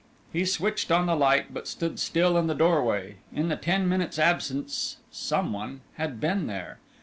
He switched on the light, but stood still in the doorway. In the ten minutes' absence some one had been there.